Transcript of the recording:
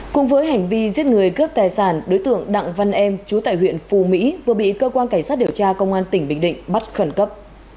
cùng với hành vi giết người cướp tài sản đối tượng đặng văn em chú tại huyện phù mỹ vừa bị cơ quan cảnh sát điều tra công an tỉnh bình định bắt khẩn cấp